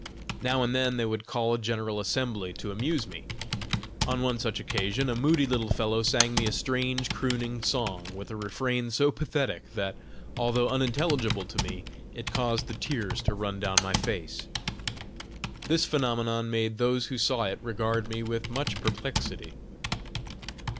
Now and then they would call a general assembly to amuse me. On one such occasion a moody little fellow sang me a strange crooning song, with a refrain so pathetic that, although unintelligible to me, it caused the tears to run down my face. This phenomenon made those who saw it regard me with much perplexity.